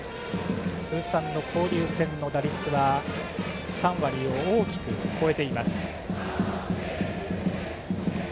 通算の交流戦の打率は３割を大きく超えています。